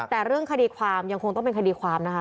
แต่เรื่องคดีความยังคงต้องเป็นคดีความนะคะ